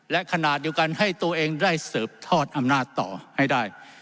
และขณะเดียวกันให้ตัวเองได้เสิร์ฟทอดอำนาจต่อให้ได้